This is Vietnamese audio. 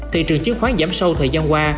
thị trường chiến khoán giảm sâu thời gian qua